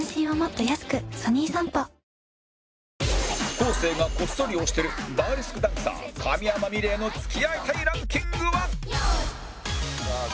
昴生がこっそり推してるバーレスクダンサー神山みれいの付き合いたいランキングは